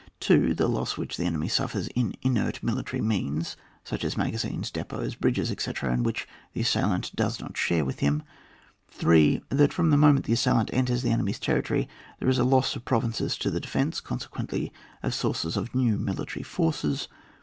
2. The loss which the enemy suffers in i^ert military means, such as maga zines, depots, bridges, etc., and which the assailant does not share with him. 3. That from the moment the assailant enters the enemy's territory, there is a loss of provinces to the defence, consequently of the sources of new military forces.